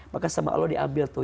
maka sama allah diambil tuh